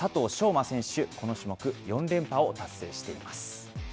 馬選手、この種目４連覇を達成しています。